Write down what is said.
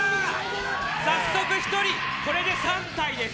早速１人、これで３体です。